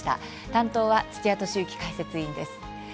担当は土屋敏之解説委員です。